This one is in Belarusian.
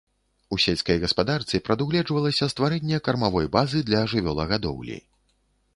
У сельскай гаспадарцы прадугледжвалася стварэнне кармавой базы для жывёлагадоўлі.